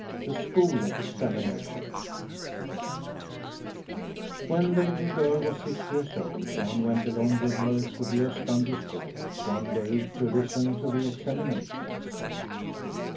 THE SCHOOL EXAMINATION When the little girl was six years old Jan went along with her to the Östanby school one day, to listen to the examinations.